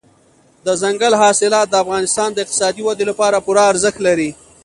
دځنګل حاصلات د افغانستان د اقتصادي ودې لپاره پوره ارزښت لري.